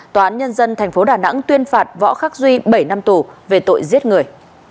tòa án nhân dân tp đà nẵng tuyên phạt võ khắc duy bảy năm tù về tội giết người